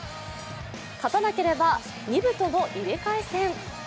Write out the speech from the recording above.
勝たなければ２部との入れ替え戦。